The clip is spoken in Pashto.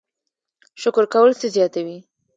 شکر کول څه زیاتوي؟